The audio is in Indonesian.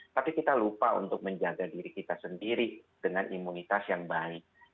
tapi kita lupa untuk menjaga diri kita sendiri dengan imunitas yang baik